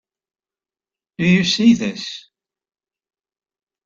Do you see this?